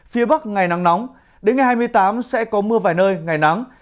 phía bắc ngày nắng nóng đến ngày hai mươi tám sẽ có mưa vài nơi ngày nắng